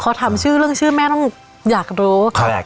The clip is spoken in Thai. เขาทำชื่อเรื่องชื่อแม่ต้องอยากรู้ค่ะแหละ